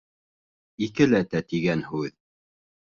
Икеләтә тигән һүҙ.